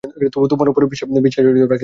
তবু তোমার উপরে বিশ্বাস রাখিতে হইবে?